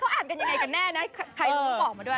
เขาอ่านกันยังไงกันแน่นะใครต้องพูดบอกมาด้วย